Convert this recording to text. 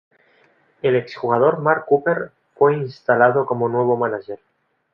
El ex jugador, Mark Cooper fue instalado como nuevo manager.